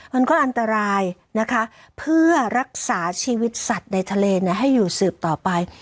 มันก็อันตรายนะคะเพื่อรักษาชีวิตสัตว์ในทะเลให้อยู่สืบต่อไป